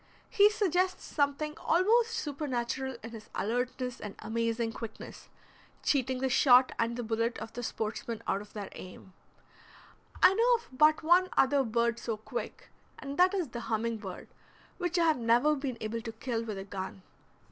He suggests something almost supernatural in his alertness and amazing quickness, cheating the shot and the bullet of the sportsman out of their aim. I know of but one other bird so quick, and that is the humming bird, which I have never been able to kill with a gun.